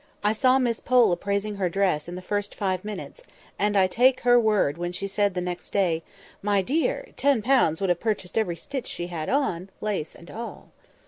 I saw Miss Pole appraising her dress in the first five minutes, and I take her word when she said the next day— "My dear! ten pounds would have purchased every stitch she had on—lace and all."